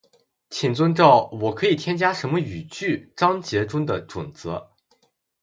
请遵照“我可以添加什么语句？”章节中的准则